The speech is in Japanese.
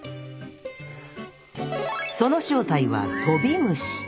その正体はトビムシ。